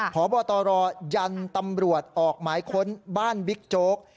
พบตรยันตำรวจออกหมายค้นบ้านบิ๊กโจ๊ก